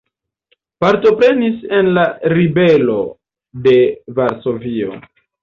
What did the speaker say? Partoprenis en la ribelo de Varsovio.